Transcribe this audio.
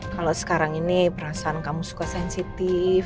kalau sekarang ini perasaan kamu suka sensitif